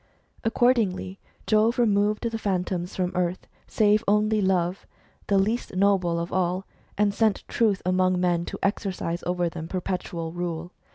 Accordingly, Jove removed the Phantoms from earth, save only Love, the least noble of all, and sent Truth among men to exercise over them perpetual rule.